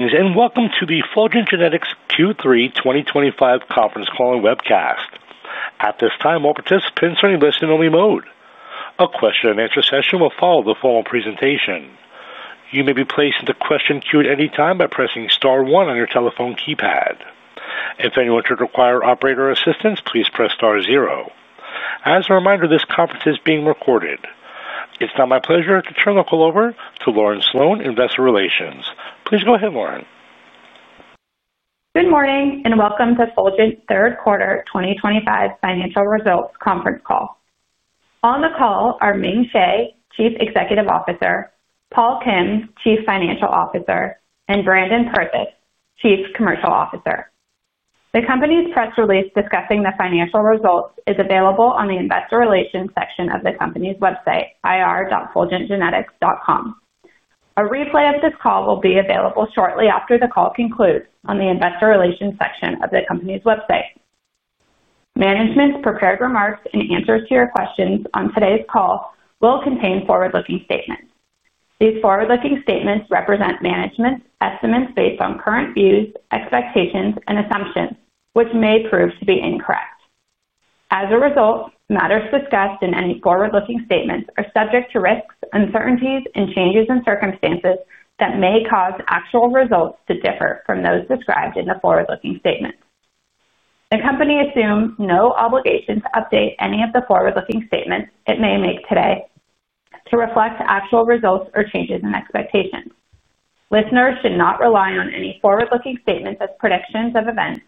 Music. Welcome to the Fulgent Genetics Q3 2025 conference call and webcast. At this time, all participants are in listening-only mode. A question-and-answer session will follow the formal presentation. You may be placed into question queue at any time by pressing Star 1 on your telephone keypad. If anyone should require operator assistance, please press Star 0. As a reminder, this conference is being recorded. It's now my pleasure to turn the call over to Lauren Sloane, Investor Relations. Please go ahead, Lauren. Good morning and welcome to Fulgent Q3 2025 financial results conference call. On the call are Ming Hsieh, Chief Executive Officer; Paul Kim, Chief Financial Officer; and Brandon Perthuis, Chief Commercial Officer. The company's press release discussing the financial results is available on the Investor Relations section of the company's website, ir.fulgentgenetics.com. A replay of this call will be available shortly after the call concludes on the Investor Relations section of the company's website. Management's prepared remarks and answers to your questions on today's call will contain forward-looking statements. These forward-looking statements represent management's estimates based on current views, expectations, and assumptions, which may prove to be incorrect. As a result, matters discussed in any forward-looking statements are subject to risks, uncertainties, and changes in circumstances that may cause actual results to differ from those described in the forward-looking statements. The company assumes no obligation to update any of the forward-looking statements it may make today to reflect actual results or changes in expectations. Listeners should not rely on any forward-looking statements as predictions of events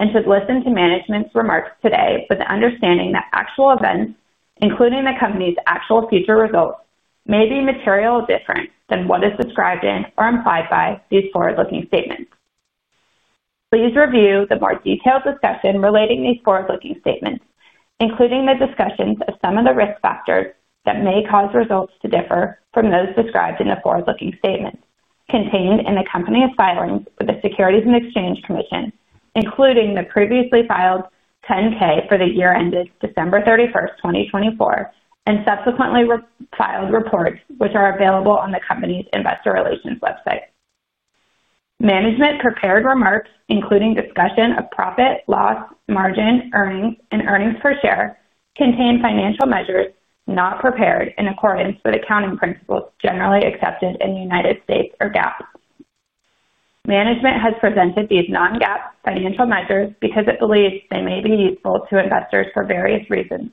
and should listen to management's remarks today with the understanding that actual events, including the company's actual future results, may be materially different than what is described in or implied by these forward-looking statements. Please review the more detailed discussion relating to these forward-looking statements, including the discussions of some of the risk factors that may cause results to differ from those described in the forward-looking statements contained in the company's filings with the Securities and Exchange Commission, including the previously filed 10-K for the year ended December 31, 2024, and subsequently filed reports which are available on the company's Investor Relations website. Management prepared remarks, including discussion of profit, loss, margin, earnings, and earnings per share, contain financial measures not prepared in accordance with accounting principles generally accepted in the United States or GAAP. Management has presented these non-GAAP financial measures because it believes they may be useful to investors for various reasons,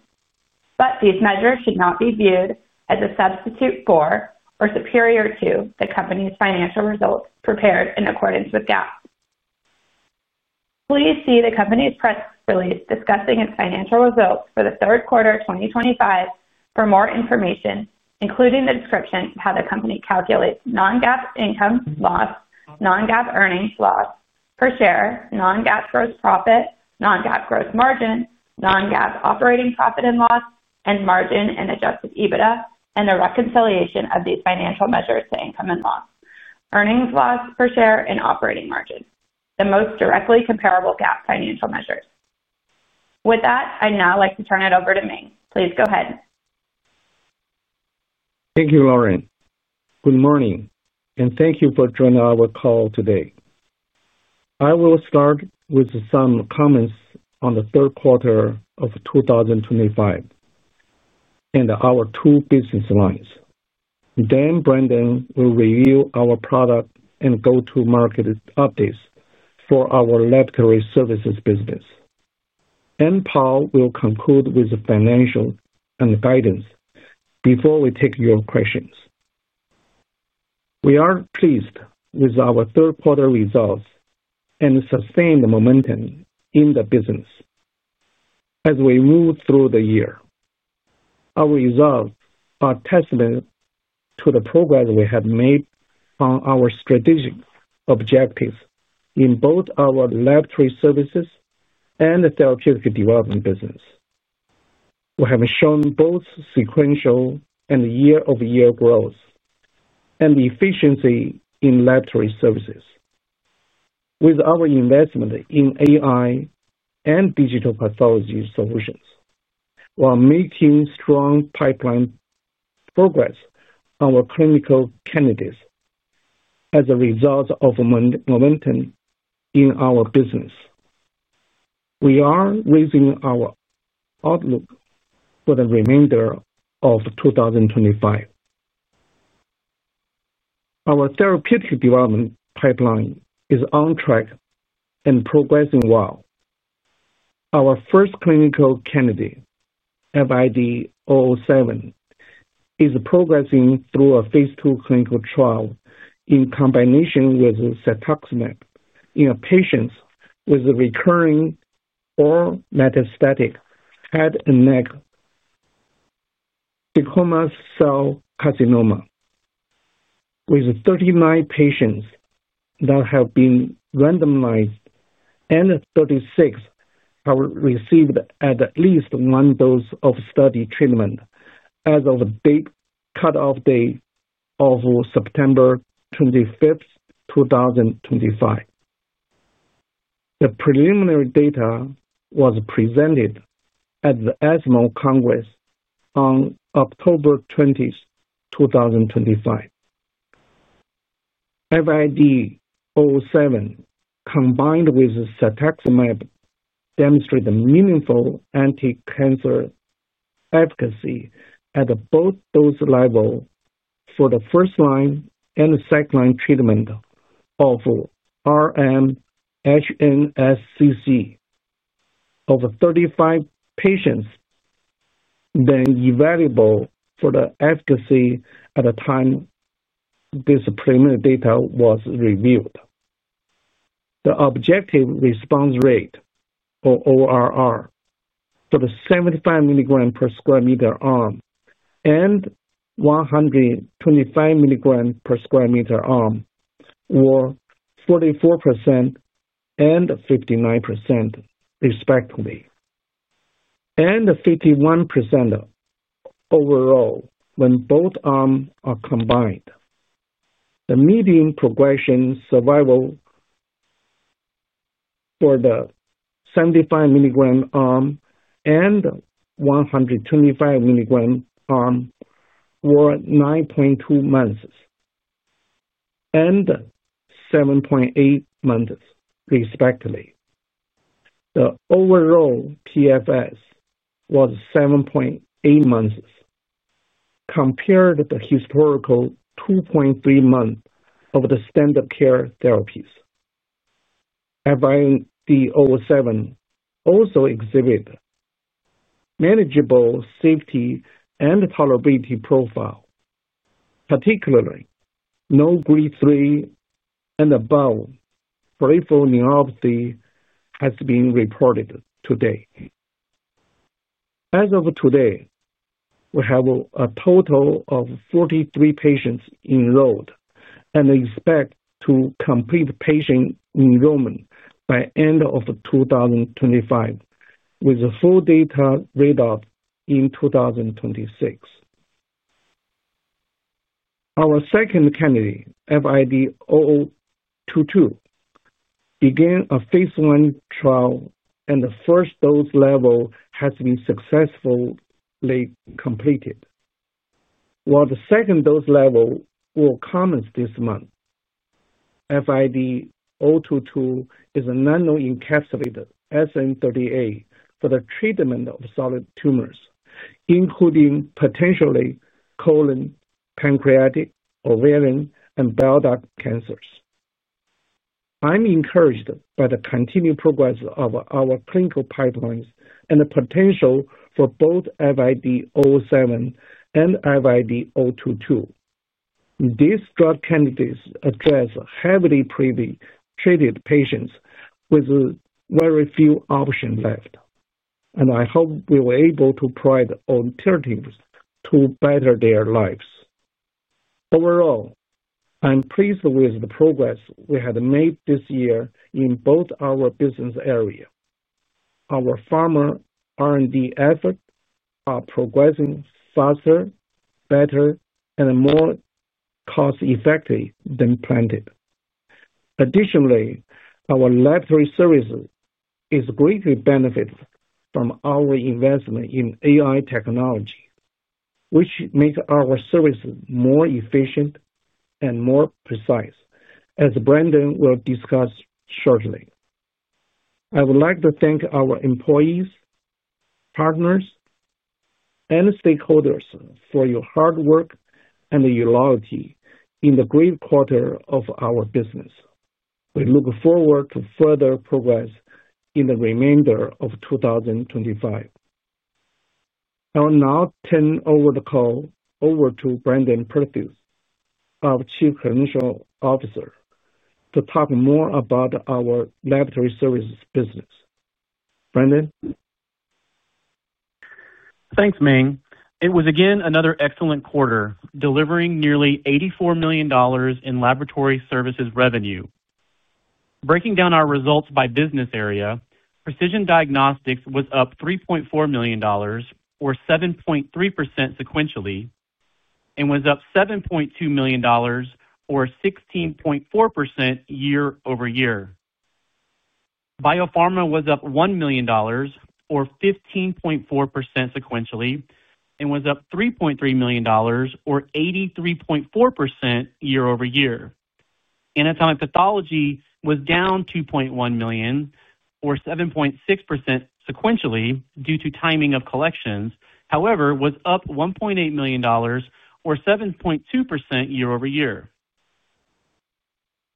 but these measures should not be viewed as a substitute for or superior to the company's financial results prepared in accordance with GAAP. Please see the company's press release discussing its financial results for Q3 2025 for more information, including the description of how the company calculates non-GAAP income/loss, non-GAAP earnings/loss per share, non-GAAP gross profit, non-GAAP gross margin, non-GAAP operating profit and loss, and margin and adjusted EBITDA, and the reconciliation of these financial measures to income and loss, earnings/loss per share, and operating margin, the most directly comparable GAAP financial measures. With that, I'd now like to turn it over to Ming. Please go ahead. Thank you, Lauren. Good morning, and thank you for joining our call today. I will start with some comments on Q3 of 2025 and our two business lines. Then Brandon will review our product and go-to-market updates for our laboratory services business. Paul will conclude with financial and guidance before we take your questions. We are pleased with our Q3 results and sustained momentum in the business as we move through the year. Our results are testament to the progress we have made on our strategic objectives in both our laboratory services and the therapeutic development business. We have shown both sequential and year-over-year growth and efficiency in laboratory services. With our investment in AI and digital pathology solutions, while making strong pipeline progress on our clinical candidates as a result of momentum in our business, we are raising our outlook for the remainder of 2025. Our therapeutic development pipeline is on track and progressing well. Our first clinical candidate, FID-007, is progressing through a phase II clinical trial in combination with cetuximab in a patient with recurrent or metastatic head and neck squamous cell carcinoma. With 39 patients that have been randomized and 36 have received at least one dose of study treatment as of the cut-off date of September 25, 2025. The preliminary data was presented at the ESMO Congress on October 20, 2025. FID-007, combined with cetuximab, demonstrated meaningful anti-cancer efficacy at both dose levels for the first-line and second-line treatment of RMHNSCC of 35 patients, then evaluable for the efficacy at the time this preliminary data was reviewed. The objective response rate, or ORR, for the 75 mg/m2 arm and 125 mg/m2 arm were 44% and 59%, respectively, and 51% overall when both arms are combined. The median progression survival for the 75 mg arm and 125 mg arm were 9.2 months and 7.8 months, respectively. The overall PFS was 7.8 months compared to the historical 2.3 months of the standard care therapies. FID-007 also exhibits manageable safety and tolerability profile. Particularly, no grade 3 and above peripheral neuropathy has been reported to date. As of today, we have a total of 43 patients enrolled and expect to complete patient enrollment by the end of 2025, with full data readout in 2026. Our second candidate, FID-022, began a phase I trial, and the first dose level has been successfully completed. While the second dose level will come this month, FID-022 is a nano-encapsulated SN-38 for the treatment of solid tumors, including potentially colon, pancreatic, ovarian, and bile duct cancers. I'm encouraged by the continued progress of our clinical pipelines and the potential for both FID-007 and FID-022. These drug candidates address heavily pre-treated patients with very few options left, and I hope we were able to provide alternatives to better their lives. Overall, I'm pleased with the progress we have made this year in both our business areas. Our Pharma R&D efforts are progressing faster, better, and more cost-effective than planned. Additionally, our laboratory services are greatly benefiting from our investment in AI technology, which makes our services more efficient and more precise, as Brandon will discuss shortly. I would like to thank our employees, partners, and stakeholders for your hard work and your loyalty in the Q3 of our business. We look forward to further progress in the remainder of 2025. I'll now turn over the call over to Brandon Perthuis, our Chief Commercial Officer, to talk more about our laboratory services business. Brandon. Thanks, Ming. It was again another excellent quarter, delivering nearly $84 million in laboratory services revenue. Breaking down our results by business area, precision diagnostics was up $3.4 million, or 7.3% sequentially, and was up $7.2 million, or 16.4% year-over-year. BioPharma was up $1 million, or 15.4% sequentially, and was up $3.3 million, or 83.4% year-over-year. Anatomic pathology was down $2.1 million, or 7.6% sequentially due to timing of collections. However, was up $1.8 million, or 7.2% year-over-year.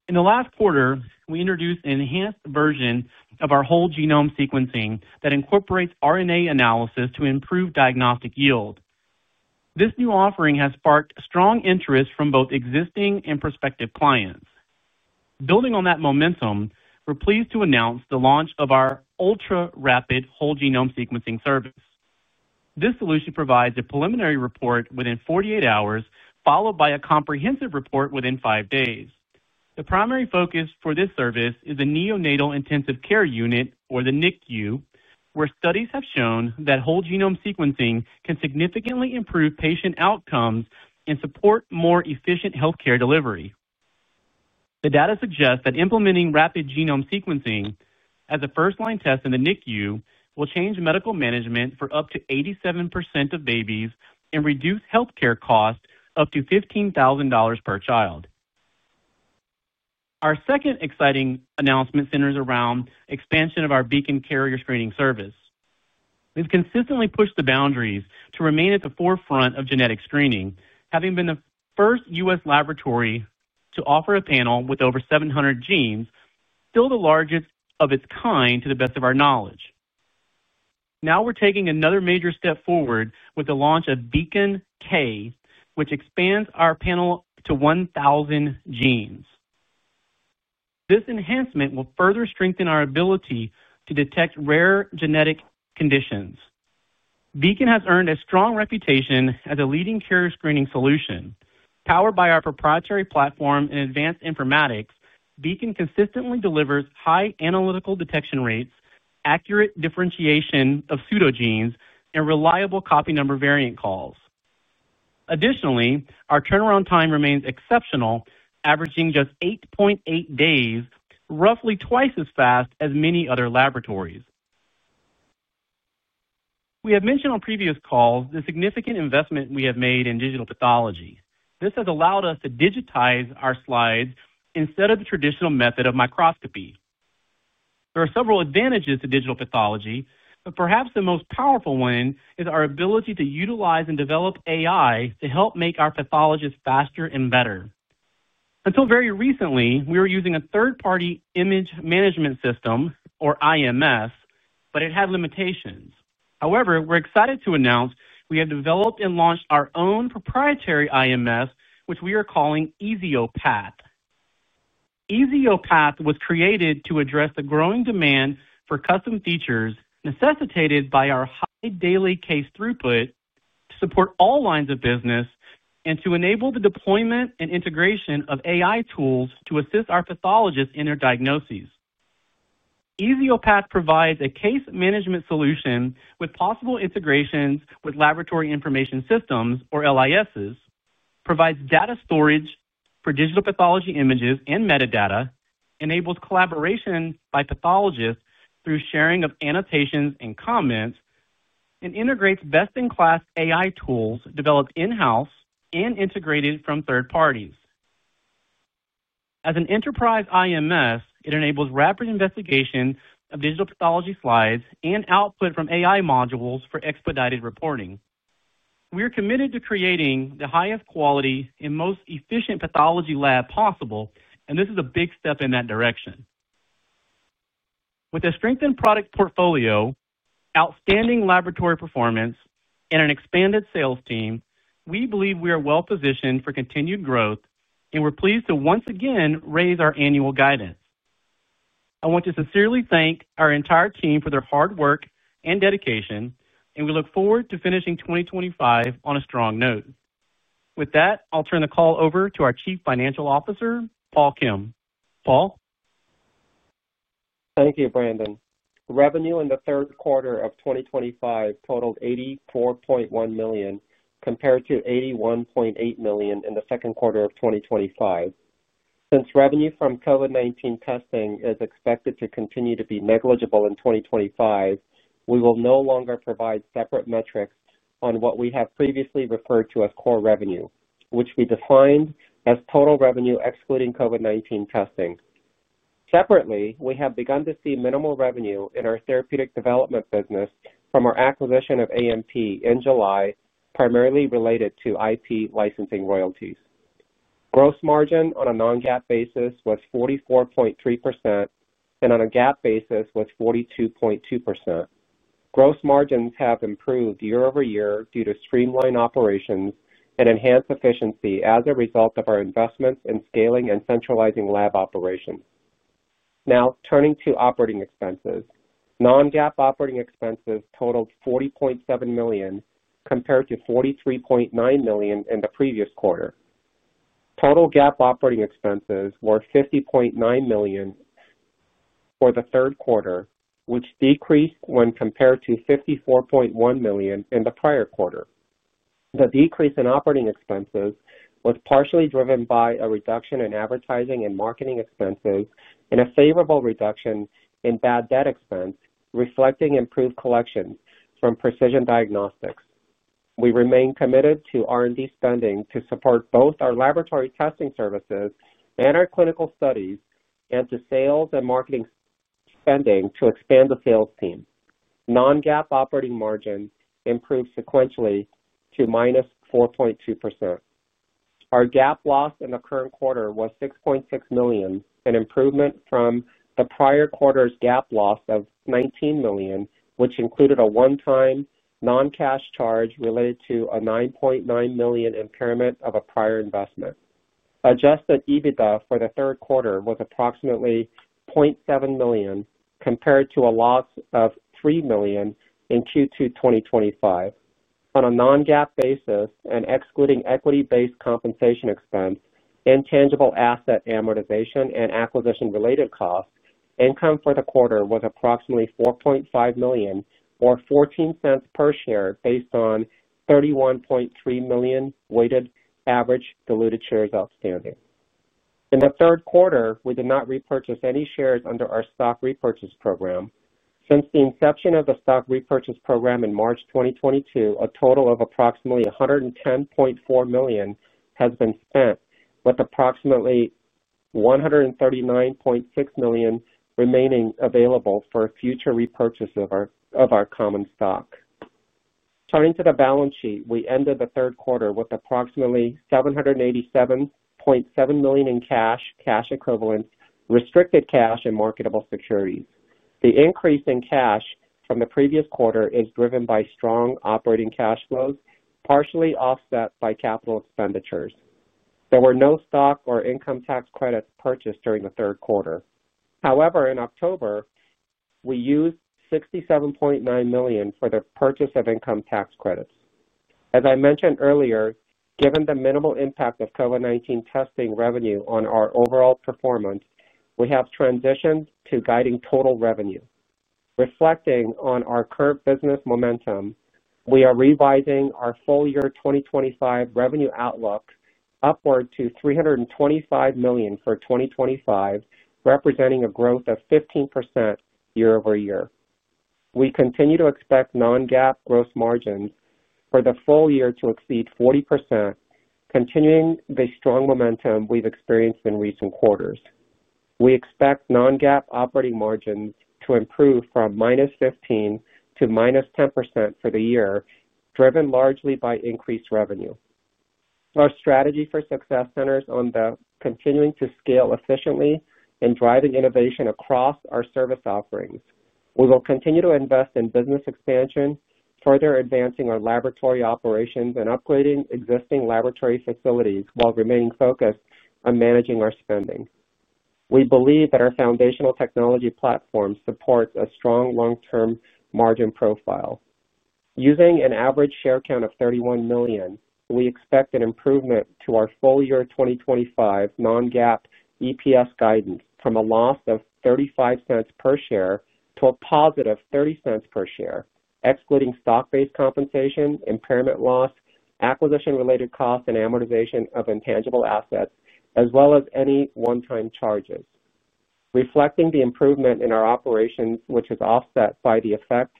In the last quarter, we introduced an enhanced version of our whole genome sequencing that incorporates RNA analysis to improve diagnostic yield. This new offering has sparked strong interest from both existing and prospective clients. Building on that momentum, we're pleased to announce the launch of our ultra-rapid whole genome sequencing service. This solution provides a preliminary report within 48 hours, followed by a comprehensive report within five days. The primary focus for this service is the Neonatal Intensive Care Unit, or the NICU, where studies have shown that whole genome sequencing can significantly improve patient outcomes and support more efficient healthcare delivery. The data suggests that implementing rapid genome sequencing as a first-line test in the NICU will change medical management for up to 87% of babies and reduce healthcare costs up to $15,000 per child. Our second exciting announcement centers around the expansion of our Beacon carrier screening service. We've consistently pushed the boundaries to remain at the forefront of genetic screening, having been the first U.S. laboratory to offer a panel with over 700 genes, still the largest of its kind to the best of our knowledge. Now we're taking another major step forward with the launch of Beacon K, which expands our panel to 1,000 genes. This enhancement will further strengthen our ability to detect rare genetic conditions. Beacon has earned a strong reputation as a leading carrier screening solution. Powered by our proprietary platform in advanced informatics, Beacon consistently delivers high analytical detection rates, accurate differentiation of pseudogenes, and reliable copy number variant calls. Additionally, our turnaround time remains exceptional, averaging just 8.8 days, roughly twice as fast as many other laboratories. We have mentioned on previous calls the significant investment we have made in digital pathology. This has allowed us to digitize our slides instead of the traditional method of microscopy. There are several advantages to digital pathology, but perhaps the most powerful one is our ability to utilize and develop AI to help make our pathologists faster and better. Until very recently, we were using a third-party image management system, or IMS, but it had limitations. However, we're excited to announce we have developed and launched our own proprietary IMS, which we are calling EZOPath. EZOPath was created to address the growing demand for custom features necessitated by our high daily case throughput to support all lines of business and to enable the deployment and integration of AI tools to assist our pathologists in their diagnoses. EZOPath provides a case management solution with possible integrations with laboratory information systems, or LISs, provides data storage for digital pathology images and metadata, enables collaboration by pathologists through sharing of annotations and comments, and integrates best-in-class AI tools developed in-house and integrated from third parties. As an enterprise IMS, it enables rapid investigation of digital pathology slides and output from AI modules for expedited reporting. We are committed to creating the highest quality and most efficient pathology lab possible, and this is a big step in that direction. With a strengthened product portfolio, outstanding laboratory performance, and an expanded sales team, we believe we are well-positioned for continued growth, and we're pleased to once again raise our annual guidance. I want to sincerely thank our entire team for their hard work and dedication, and we look forward to finishing 2025 on a strong note. With that, I'll turn the call over to our Chief Financial Officer, Paul Kim. Paul? Thank you, Brandon. Revenue in the third quarter of 2025 totaled $84.1 million compared to $81.8 million in the second quarter of 2025. Since revenue from COVID-19 testing is expected to continue to be negligible in 2025, we will no longer provide separate metrics on what we have previously referred to as core revenue, which we defined as total revenue excluding COVID-19 testing. Separately, we have begun to see minimal revenue in our therapeutic development business from our acquisition of AMP in July, primarily related to IP licensing royalties. Gross margin on a non-GAAP basis was 44.3%, and on a GAAP basis was 42.2%. Gross margins have improved year-over-year due to streamlined operations and enhanced efficiency as a result of our investments in scaling and centralizing lab operations. Now, turning to operating expenses, non-GAAP operating expenses totaled $40.7 million compared to $43.9 million in the previous quarter. Total GAAP operating expenses were $50.9 million for the third quarter, which decreased when compared to $54.1 million in the prior quarter. The decrease in operating expenses was partially driven by a reduction in advertising and marketing expenses and a favorable reduction in bad debt expense, reflecting improved collections from precision diagnostics. We remain committed to R&D spending to support both our laboratory testing services and our clinical studies, and to sales and marketing spending to expand the sales team. Non-GAAP operating margin improved sequentially to minus 4.2%. Our GAAP loss in the current quarter was $6.6 million, an improvement from the prior quarter's GAAP loss of $19 million, which included a one-time non-cash charge related to a $9.9 million impairment of a prior investment. Adjusted EBITDA for the third quarter was approximately $0.7 million compared to a loss of $3 million in Q2 2025. On a non-GAAP basis and excluding equity-based compensation expense, intangible asset amortization and acquisition-related costs, income for the quarter was approximately $4.5 million, or $0.14 per share based on 31.3 million weighted average diluted shares outstanding. In the third quarter, we did not repurchase any shares under our stock repurchase program. Since the inception of the stock repurchase program in March 2022, a total of approximately $110.4 million has been spent, with approximately $139.6 million remaining available for future repurchase of our common stock. Turning to the balance sheet, we ended the third quarter with approximately $787.7 million in cash, cash equivalents, restricted cash, and marketable securities. The increase in cash from the previous quarter is driven by strong operating cash flows, partially offset by capital expenditures. There were no stock or income tax credits purchased during the third quarter. However, in October, we used $67.9 million for the purchase of income tax credits. As I mentioned earlier, given the minimal impact of COVID-19 testing revenue on our overall performance, we have transitioned to guiding total revenue. Reflecting on our current business momentum, we are revising our full year 2025 revenue outlook upward to $325 million for 2025, representing a growth of 15% year-over-year. We continue to expect non-GAAP gross margins for the full year to exceed 40%, continuing the strong momentum we've experienced in recent quarters. We expect non-GAAP operating margins to improve from minus 15% to minus 10% for the year, driven largely by increased revenue. Our strategy for success centers on continuing to scale efficiently and driving innovation across our service offerings. We will continue to invest in business expansion, further advancing our laboratory operations and upgrading existing laboratory facilities while remaining focused on managing our spending. We believe that our foundational technology platform supports a strong long-term margin profile. Using an average share count of 31 million, we expect an improvement to our full year 2025 non-GAAP EPS guidance from a loss of $0.35 per share to a positive $0.30 per share, excluding stock-based compensation, impairment loss, acquisition-related costs, and amortization of intangible assets, as well as any one-time charges. Reflecting the improvement in our operations, which is offset by the effect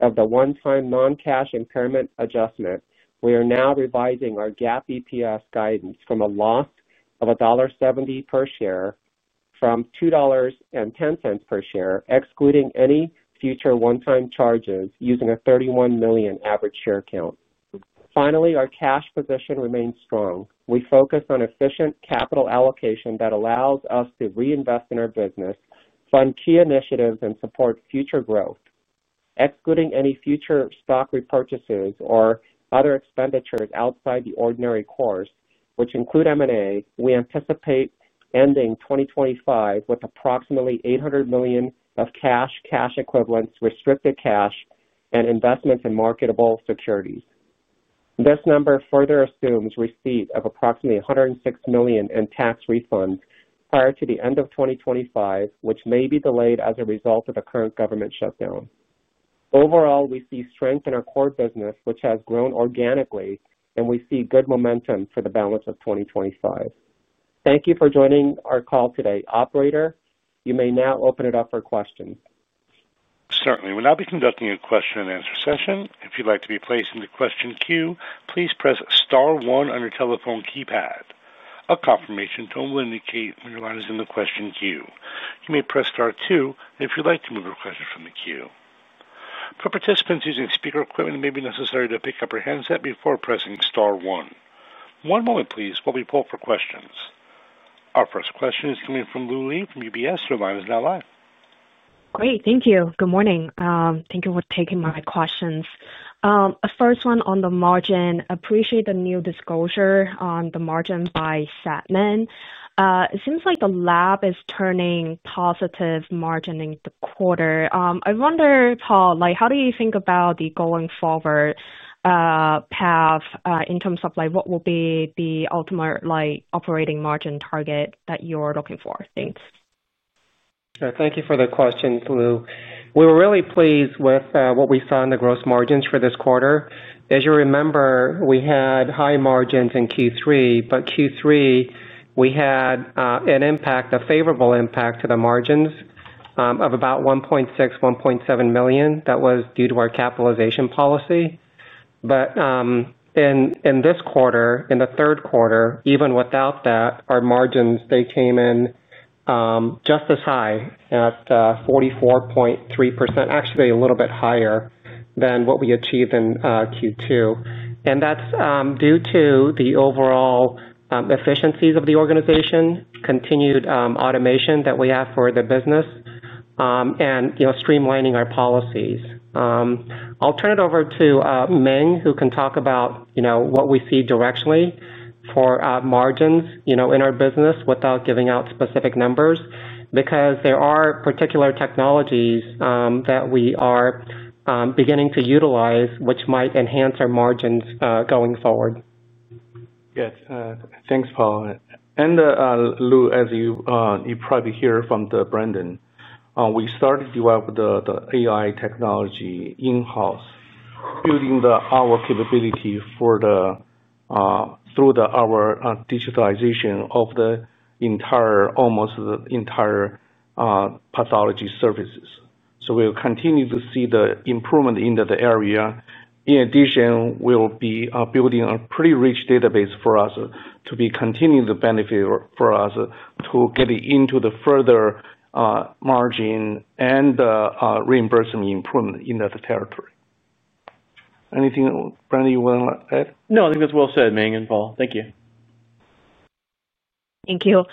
of the one-time non-cash impairment adjustment, we are now revising our GAAP EPS guidance from a loss of $1.70 per share from $2.10 per share, excluding any future one-time charges, using a 31 million average share count. Finally, our cash position remains strong. We focus on efficient capital allocation that allows us to reinvest in our business, fund key initiatives, and support future growth. Excluding any future stock repurchases or other expenditures outside the ordinary course, which include M&A, we anticipate ending 2025 with approximately $800 million of cash, cash equivalents, restricted cash, and investments in marketable securities. This number further assumes receipts of approximately $106 million in tax refunds prior to the end of 2025, which may be delayed as a result of the current government shutdown. Overall, we see strength in our core business, which has grown organically, and we see good momentum for the balance of 2025. Thank you for joining our call today. Operator, you may now open it up for questions. Certainly. We'll now be conducting a question-and-answer session. If you'd like to be placed into question queue, please press Star 1 on your telephone keypad. A confirmation tone will indicate when your line is in the question queue. You may press Star 2 if you'd like to move your question from the queue. For participants using speaker equipment, it may be necessary to pick up your handset before pressing Star 1. One moment, please, while we pull up for questions. Our first question is coming from Lu Li from UBS. Your line is now live. Great. Thank you. Good morning. Thank you for taking my questions. The first one on the margin. Appreciate the new disclosure on the margin by segment. It seems like the lab is turning positive margin in the quarter. I wonder, Paul, how do you think about the going forward path in terms of what will be the ultimate operating margin target that you're looking for? Thanks. Sure. Thank you for the question, Lu. We were really pleased with what we saw in the gross margins for this quarter. As you remember, we had high margins in Q3, but Q3, we had an impact, a favorable impact to the margins of about $1.6-$1.7 million. That was due to our capitalization policy. In this quarter, in the third quarter, even without that, our margins, they came in just as high at 44.3%, actually a little bit higher than what we achieved in Q2. That is due to the overall efficiencies of the organization, continued automation that we have for the business, and streamlining our policies. I'll turn it over to Ming, who can talk about what we see directionally for margins in our business without giving out specific numbers, because there are particular technologies that we are beginning to utilize which might enhance our margins going forward. Yes. Thanks, Paul. Lu, as you probably hear from Brandon, we started to develop the AI technology in-house, building our capability through our digitalization of almost the entire pathology services. We will continue to see the improvement in the area. In addition, we will be building a pretty rich database for us to continue the benefit for us to get into further margin and reimbursement improvement in the territory. Anything, Brandon, you want to add? No, I think that's well said, Ming and Paul. Thank you. Thank you.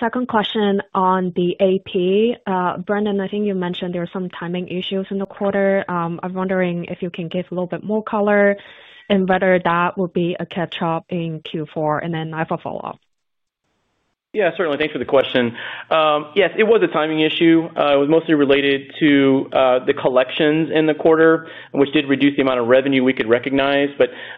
Second question on the AP. Brandon, I think you mentioned there were some timing issues in the quarter. I'm wondering if you can give a little bit more color and whether that will be a catch-up in Q4, and then I have a follow-up. Yeah, certainly. Thanks for the question. Yes, it was a timing issue. It was mostly related to the collections in the quarter, which did reduce the amount of revenue we could recognize.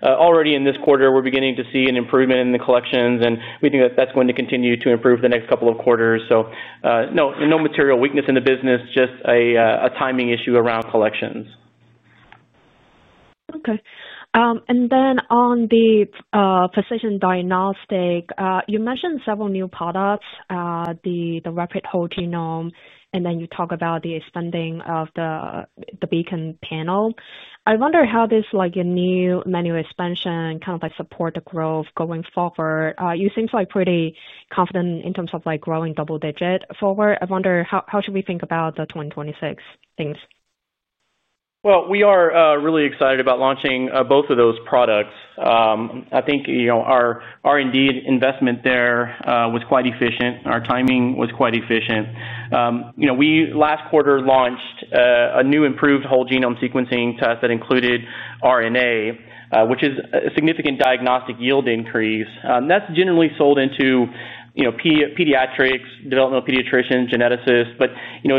Already in this quarter, we're beginning to see an improvement in the collections, and we think that that's going to continue to improve the next couple of quarters. No, no material weakness in the business, just a timing issue around collections. Okay. And then on the precision diagnostic, you mentioned several new products, the rapid whole genome, and then you talk about the expanding of the Beacon panel. I wonder how this new manual expansion kind of supports the growth going forward. You seem pretty confident in terms of growing double-digit forward. I wonder how should we think about the 2026 things? We are really excited about launching both of those products. I think our R&D investment there was quite efficient. Our timing was quite efficient. We last quarter launched a new improved whole genome sequencing test that included RNA, which is a significant diagnostic yield increase. That is generally sold into pediatrics, developmental pediatricians, geneticists.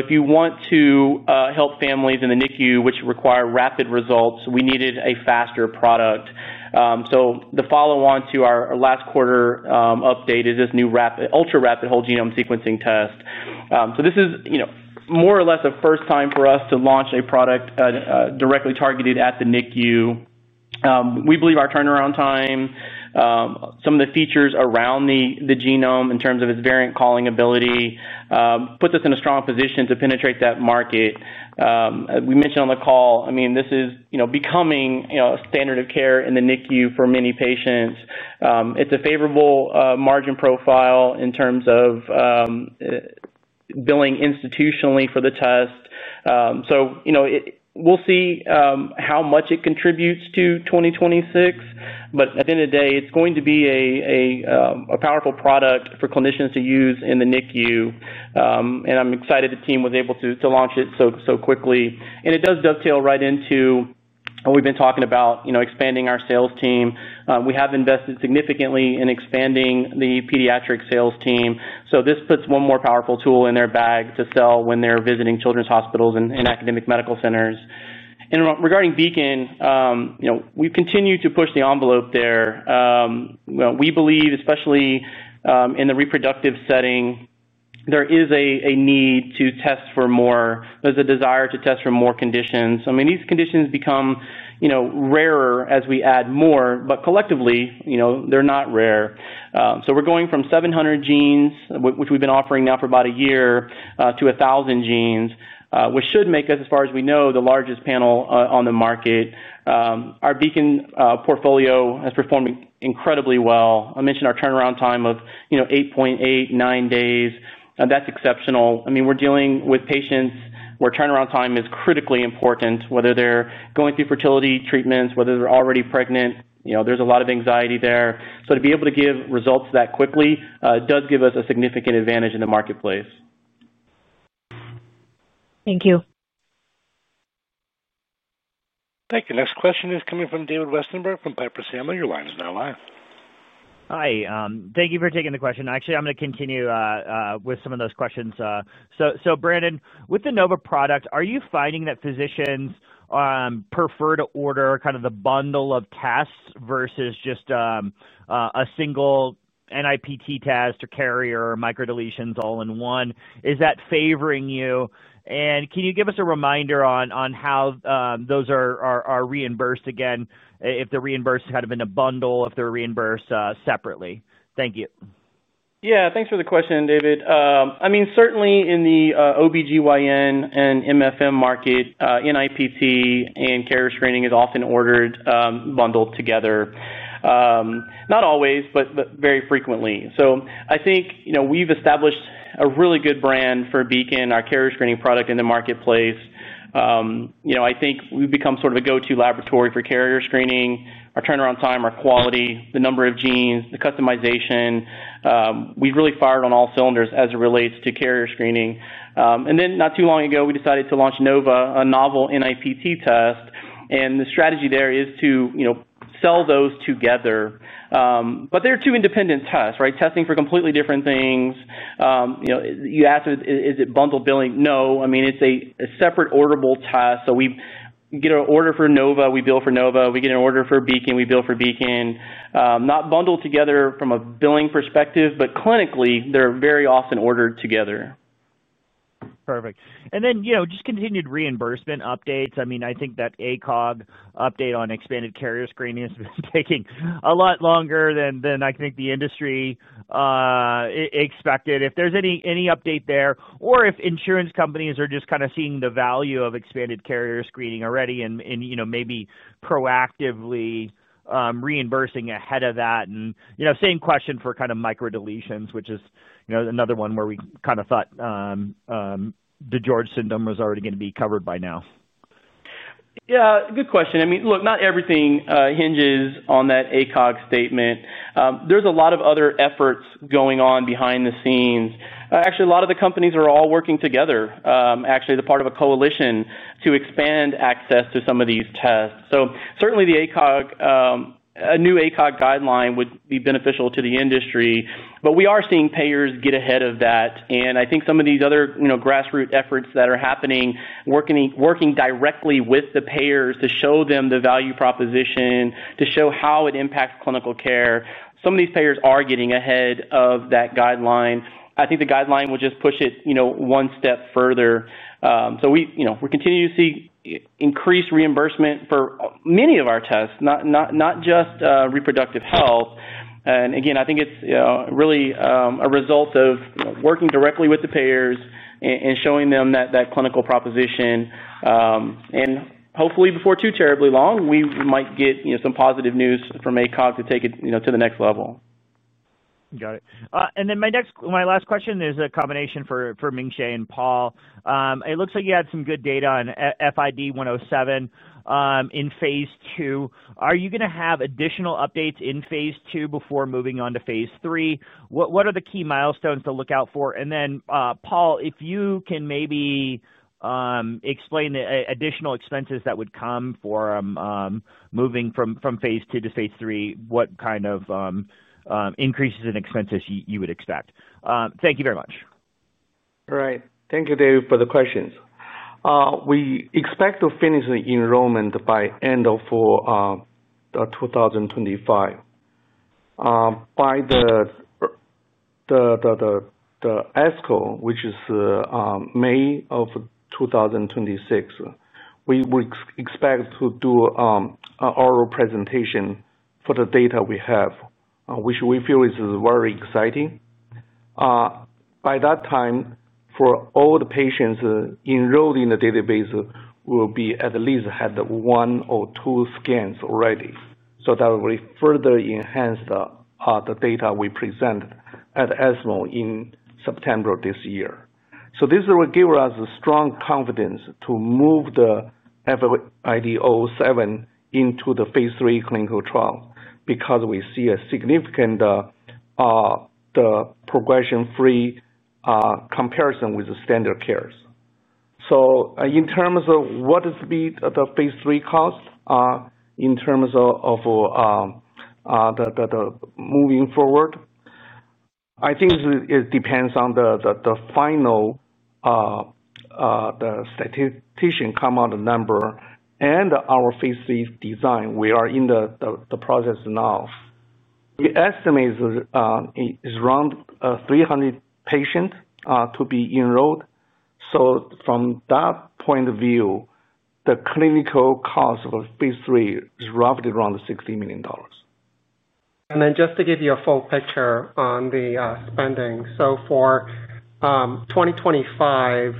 If you want to help families in the NICU, which require rapid results, we needed a faster product. The follow-on to our last quarter update is this new ultra-rapid whole genome sequencing test. This is more or less a first time for us to launch a product directly targeted at the NICU. We believe our turnaround time, some of the features around the genome in terms of its variant-calling ability, puts us in a strong position to penetrate that market. We mentioned on the call, I mean, this is becoming a standard of care in the NICU for many patients. It is a favorable margin profile in terms of billing institutionally for the test. We will see how much it contributes to 2026, but at the end of the day, it is going to be a powerful product for clinicians to use in the NICU. I am excited the team was able to launch it so quickly. It does dovetail right into what we have been talking about, expanding our sales team. We have invested significantly in expanding the pediatric sales team. This puts one more powerful tool in their bag to sell when they are visiting children's hospitals and academic medical centers. Regarding Beacon, we continue to push the envelope there. We believe, especially in the reproductive setting, there is a need to test for more. There's a desire to test for more conditions. I mean, these conditions become rarer as we add more, but collectively, they're not rare. We're going from 700 genes, which we've been offering now for about a year, to 1,000 genes, which should make us, as far as we know, the largest panel on the market. Our Beacon portfolio has performed incredibly well. I mentioned our turnaround time of 8.89 days. That's exceptional. I mean, we're dealing with patients where turnaround time is critically important, whether they're going through fertility treatments, whether they're already pregnant. There's a lot of anxiety there. To be able to give results that quickly does give us a significant advantage in the marketplace. Thank you. Thank you. Next question is coming from David Westenberg from Piper Sandler. Your line is now live. Hi. Thank you for taking the question. Actually, I'm going to continue with some of those questions. So Brandon, with the Nova product, are you finding that physicians prefer to order kind of the bundle of tests versus just a single NIPT test or carrier or microdeletions all in one? Is that favoring you? And can you give us a reminder on how those are reimbursed again, if they're reimbursed kind of in a bundle, if they're reimbursed separately? Thank you. Yeah. Thanks for the question, David. I mean, certainly in the OBGYN and MFM market, NIPT and carrier screening is often ordered bundled together. Not always, but very frequently. I think we've established a really good brand for Beacon, our carrier screening product in the marketplace. I think we've become sort of a go-to laboratory for carrier screening. Our turnaround time, our quality, the number of genes, the customization, we've really fired on all cylinders as it relates to carrier screening. Not too long ago, we decided to launch Nova, a novel NIPT test. The strategy there is to sell those together. They are two independent tests, right? Testing for completely different things. You asked, is it bundle billing? No. I mean, it's a separate orderable test. We get an order for Nova, we bill for Nova. We get an order for Beacon, we bill for Beacon. Not bundled together from a billing perspective, but clinically, they're very often ordered together. Perfect. And then just continued reimbursement updates. I mean, I think that ACOG update on expanded carrier screening has been taking a lot longer than I think the industry expected. If there's any update there, or if insurance companies are just kind of seeing the value of expanded carrier screening already and maybe proactively reimbursing ahead of that. And same question for kind of microdeletions, which is another one where we kind of thought the George syndrome was already going to be covered by now. Yeah. Good question. I mean, look, not everything hinges on that ACOG statement. There is a lot of other efforts going on behind the scenes. Actually, a lot of the companies are all working together, actually as a part of a coalition to expand access to some of these tests. Certainly, a new ACOG guideline would be beneficial to the industry. We are seeing payers get ahead of that. I think some of these other grassroots efforts that are happening, working directly with the payers to show them the value proposition, to show how it impacts clinical care, some of these payers are getting ahead of that guideline. I think the guideline will just push it one step further. We continue to see increased reimbursement for many of our tests, not just reproductive health. I think it's really a result of working directly with the payers and showing them that clinical proposition. Hopefully, before too terribly long, we might get some positive news from ACOG to take it to the next level. Got it. My last question is a combination for Ming Hsieh and Paul. It looks like you had some good data on FID-007 in phase II. Are you going to have additional updates in phase II before moving on to phase III? What are the key milestones to look out for? Paul, if you can maybe explain the additional expenses that would come for moving from phase II to phase III, what kind of increases in expenses you would expect? Thank you very much. All right. Thank you, David, for the questions. We expect to finish the enrollment by the end of 2025. By the ESMO, which is May of 2026, we expect to do our presentation for the data we have, which we feel is very exciting. By that time, for all the patients enrolled in the database, we'll have at least had one or two scans already. That will further enhance the data we present at ESMO in September this year. This will give us strong confidence to move the FID-007 into the phase III clinical trial because we see a significant progression-free comparison with the standard cares. In terms of what is the phase III cost in terms of moving forward, I think it depends on the final statistician come out a number and our phase III design. We are in the process now. We estimate it's around 300 patients to be enrolled. From that point of view, the clinical cost of phase III is roughly around $60 million. Just to give you a full picture on the spending, for 2025,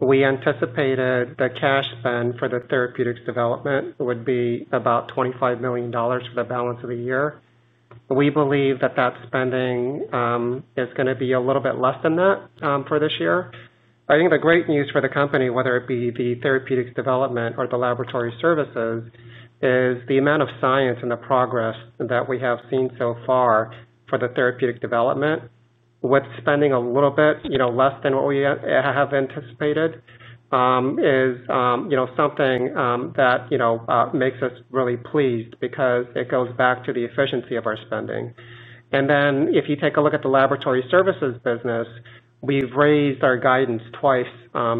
we anticipated the cash spend for the therapeutics development would be about $25 million for the balance of the year. We believe that that spending is going to be a little bit less than that for this year. I think the great news for the company, whether it be the therapeutics development or the laboratory services, is the amount of science and the progress that we have seen so far for the therapeutic development. With spending a little bit less than what we have anticipated is something that makes us really pleased because it goes back to the efficiency of our spending. If you take a look at the laboratory services business, we've raised our guidance twice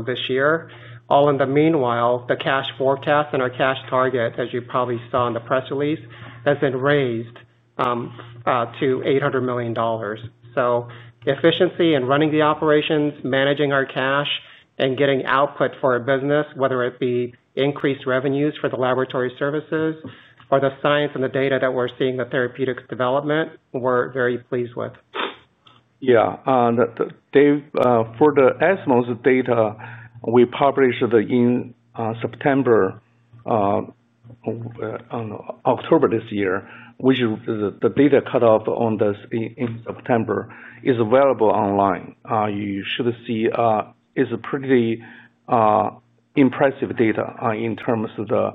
this year. All in the meanwhile, the cash forecast and our cash target, as you probably saw in the press release, has been raised to $800 million. Efficiency in running the operations, managing our cash, and getting output for our business, whether it be increased revenues for the laboratory services or the science and the data that we're seeing in the therapeutics development, we're very pleased with. Yeah. Dave, for the ESMO data, we published it in September, October this year, which the data cut off on this in September is available online. You should see it's pretty impressive data in terms of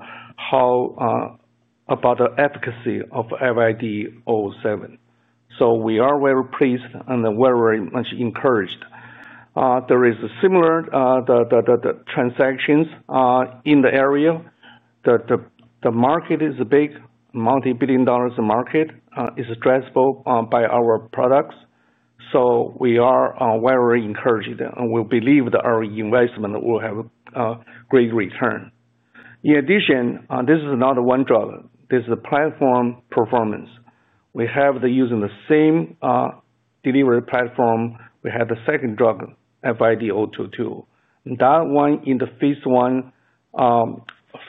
about the efficacy of FID-007. We are very pleased and very much encouraged. There are similar transactions in the area. The market is big, multi-billion dollar market. It's addressable by our products. We are very encouraged and we believe that our investment will have a great return. In addition, this is not one drug. This is a platform performance. We have, using the same delivery platform, the second drug, FID-022. That one in the phase I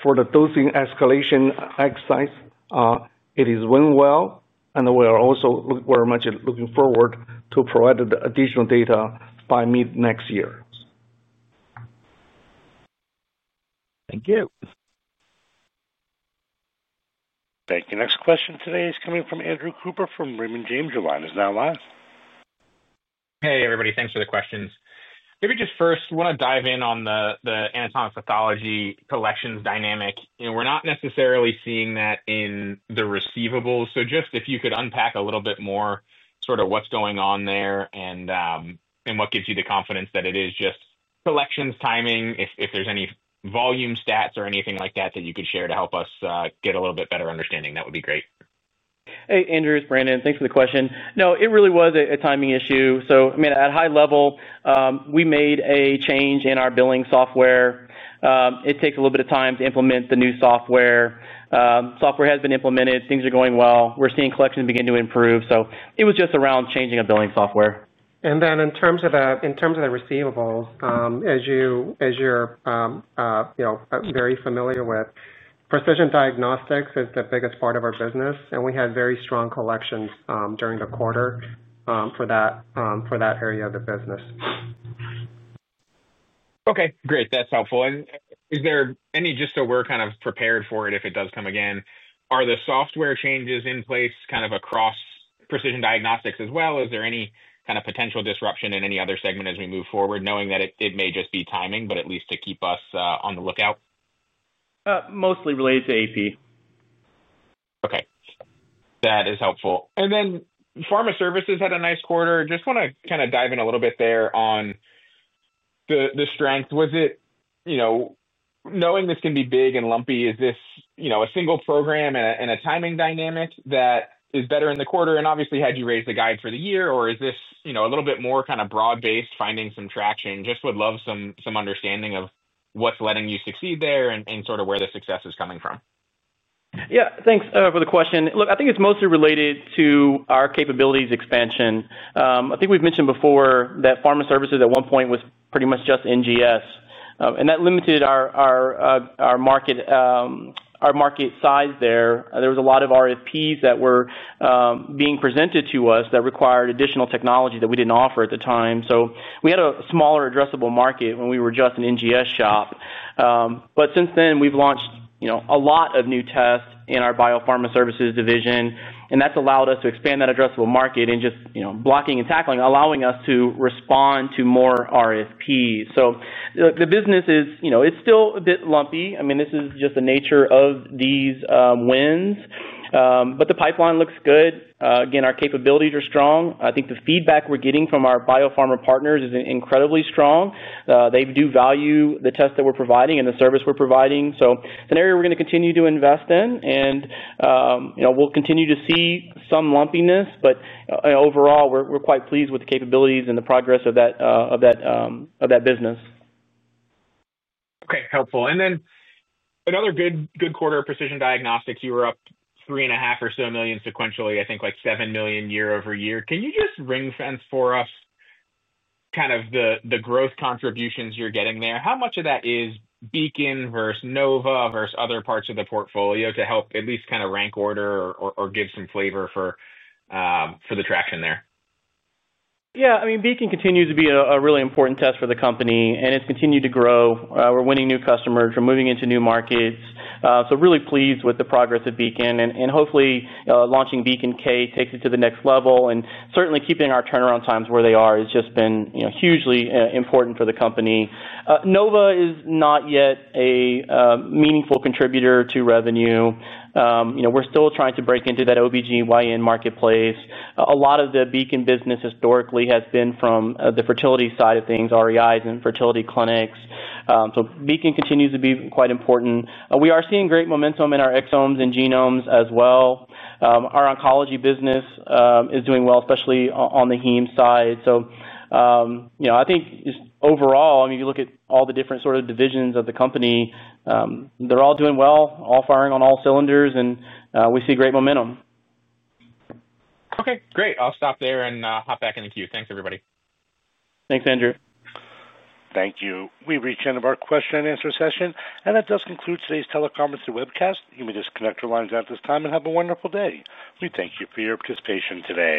for the dosing escalation exercise, it has went well. We are also very much looking forward to provide the additional data by mid next year. Thank you. Thank you. Next question today is coming from Andrew Cooper from Raymond James. Now live. Hey, everybody. Thanks for the questions. Maybe just first, we want to dive in on the anatomic pathology collections dynamic. We're not necessarily seeing that in the receivables. Just if you could unpack a little bit more sort of what's going on there and what gives you the confidence that it is just collections timing, if there's any volume stats or anything like that that you could share to help us get a little bit better understanding, that would be great. Hey, Andrew, it's Brandon. Thanks for the question. No, it really was a timing issue. I mean, at a high level, we made a change in our billing software. It takes a little bit of time to implement the new software. Software has been implemented. Things are going well. We're seeing collections begin to improve. It was just around changing a billing software. In terms of the receivables, as you're very familiar with, precision diagnostics is the biggest part of our business. We had very strong collections during the quarter for that area of the business. Okay. Great. That's helpful. Is there any, just so we're kind of prepared for it if it does come again, are the software changes in place kind of across precision diagnostics as well? Is there any kind of potential disruption in any other segment as we move forward, knowing that it may just be timing, but at least to keep us on the lookout? Mostly related to AP. Okay. That is helpful. Then pharma services had a nice quarter. Just want to kind of dive in a little bit there on the strength. Knowing this can be big and lumpy, is this a single program and a timing dynamic that is better in the quarter? Obviously, had you raised the guide for the year, or is this a little bit more kind of broad-based, finding some traction? Just would love some understanding of what's letting you succeed there and sort of where the success is coming from. Yeah. Thanks for the question. Look, I think it's mostly related to our capabilities expansion. I think we've mentioned before that pharma services at one point was pretty much just NGS. That limited our market size there. There were a lot of RFPs that were being presented to us that required additional technology that we didn't offer at the time. We had a smaller addressable market when we were just an NGS shop. Since then, we've launched a lot of new tests in our biopharma services division. That's allowed us to expand that addressable market and just blocking and tackling, allowing us to respond to more RFPs. The business is still a bit lumpy. I mean, this is just the nature of these wins. The pipeline looks good. Again, our capabilities are strong. I think the feedback we're getting from our biopharma partners is incredibly strong. They do value the tests that we're providing and the service we're providing. It is an area we're going to continue to invest in. We'll continue to see some lumpiness. Overall, we're quite pleased with the capabilities and the progress of that business. Okay. Helpful. Then another good quarter of precision diagnostics, you were up $3.5 million or so sequentially, I think like $7 million year-over-year. Can you just ring-fence for us kind of the growth contributions you're getting there? How much of that is Beacon versus Nova versus other parts of the portfolio to help at least kind of rank order or give some flavor for the traction there? Yeah. I mean, Beacon continues to be a really important test for the company. It's continued to grow. We're winning new customers. We're moving into new markets. Really pleased with the progress of Beacon. Hopefully, launching Beacon K takes it to the next level. Certainly, keeping our turnaround times where they are has just been hugely important for the company. Nova is not yet a meaningful contributor to revenue. We're still trying to break into that OBGYN marketplace. A lot of the Beacon business historically has been from the fertility side of things, REIs and fertility clinics. Beacon continues to be quite important. We are seeing great momentum in our exomes and genomes as well. Our oncology business is doing well, especially on the heme side. I think just overall, I mean, you look at all the different sort of divisions of the company, they're all doing well, all firing on all cylinders, and we see great momentum. Okay. Great. I'll stop there and hop back in the queue. Thanks, everybody. Thanks, Andrew. Thank you. We've reached the end of our question and answer session. That does conclude today's teleconference and webcast. You may disconnect your lines at this time and have a wonderful day. We thank you for your participation today.